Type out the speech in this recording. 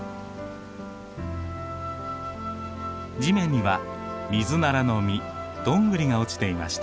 地面にはミズナラの実どんぐりが落ちていました。